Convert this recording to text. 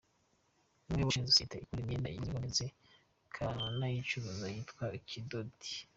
Ni we washinze isosiyete ikora imyenda igezweho ndetse ikanayicuruza yitwa Kidoti.